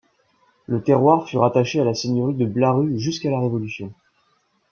Le terroir fut rattaché à la seigneurie de Blaru jusqu'à la Révolution.